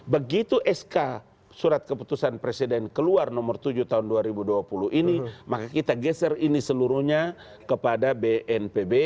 begitu sk surat keputusan presiden keluar nomor tujuh tahun dua ribu dua puluh ini maka kita geser ini seluruhnya kepada bnpb